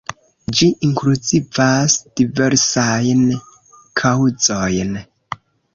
Ĝi inkluzivas diversajn kaŭzojn.